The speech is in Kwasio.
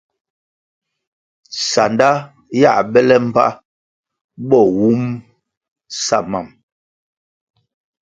Sanda yiā bele mbpa bo wum sa mam.